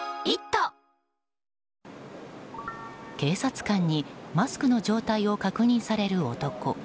警察官にマスクの状態を確認される男。